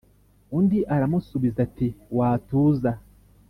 Undi aramusubiza ati: "Watuza!